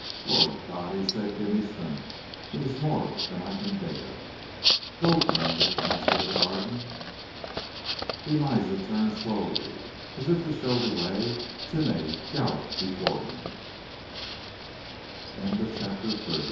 "Lord God!" he said, "give me strength. It is more than I can bear!" "Go!" commanded the master of the Garden. Elijah turned slowly away. As if to show the way, Timeh galloped before him. _CHAPTER THIRTY ONE